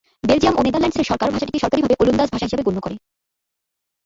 Belgium ও নেদারল্যান্ডসের সরকার ভাষাটিকে সরকারিভাবে ওলন্দাজ ভাষা হিসেবে গণ্য করে।